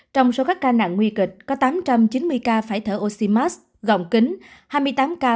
trong số các ca nặng nguy kịch có tám trăm chín mươi ca phải thở oxy mask gọng kính hai mươi tám ca phải thở oxy dòng cao hfnc